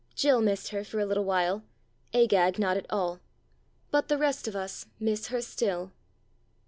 Jill missed her for a little while, Agag not at all. But the rest of us miss her still.